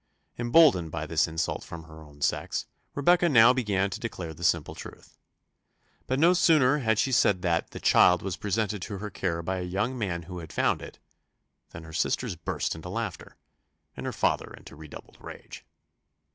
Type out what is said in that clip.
Emboldened by this insult from her own sex, Rebecca now began to declare the simple truth. But no sooner had she said that "the child was presented to her care by a young man who had found it," than her sisters burst into laughter, and her father into redoubled rage.